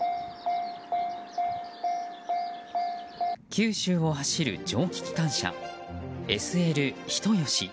九州を走る蒸気機関車ＳＬ人吉。